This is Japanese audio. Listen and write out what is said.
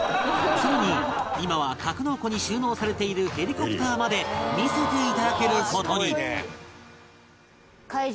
さらに今は格納庫に収納されているヘリコプターまで見せて頂ける事に